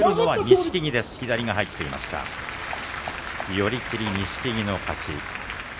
寄り切り、錦木の勝ち。